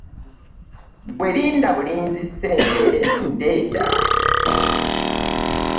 Ggwe linda bulinzi ssente ndeeta.